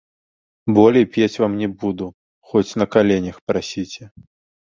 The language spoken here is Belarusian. Болей пець вам не буду, хоць на каленях прасіце.